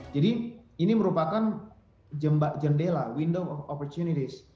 jadi ini merupakan jembat jendela window of opportunities